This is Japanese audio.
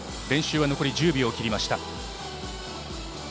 練習は残り１０秒を切りました。